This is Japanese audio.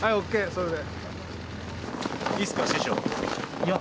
それで。